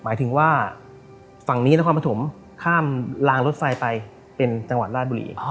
หมายถึงว่าฝั่งนี้นครปฐมข้ามรางรถไฟไปเป็นจังหวัดราชบุรี